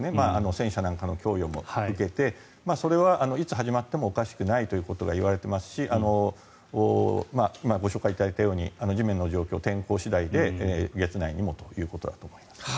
戦車なんかの供与も受けてそれはいつ始まってもおかしくないということがいわれていますし今、ご紹介いただいたように地面の状況、天候次第で月内にもということだと。